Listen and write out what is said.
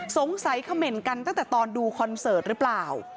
สงสัยเขม่นกันตั้งแต่ตอนดูคอนเสิร์ตหรือเปล่า